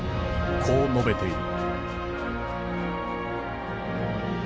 こう述べている。